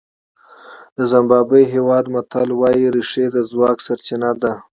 د زیمبابوې هېواد متل وایي رېښې د ځواک سرچینه ده.